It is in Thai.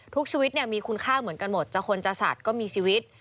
ทุกชีวิตเนี่ยมีคุณค่าเหมือนกันหมดจะคนจะสัตว์ก็มีชีวิต